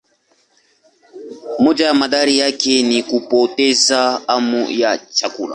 Moja ya madhara yake ni kupoteza hamu ya chakula.